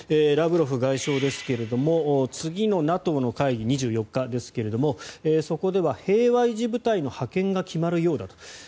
ラブロフ外相ですが次のＮＡＴＯの会議２４日ですがそこでは平和維持部隊の派遣が決まるようだと。